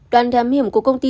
đoàn đám hiểm của công ty